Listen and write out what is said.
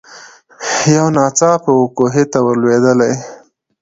یو ناڅاپه وو کوهي ته ور لوېدلې